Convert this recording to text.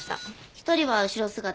一人は後ろ姿。